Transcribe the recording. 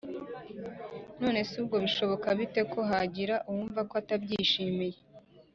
None se ubwo bishoboka bite ko hagira uwumva ko atabyishimiye